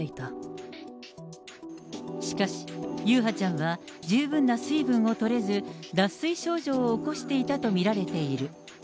しかし、優陽ちゃんは十分な水分をとれず、脱水症状を起こしていたと見られている。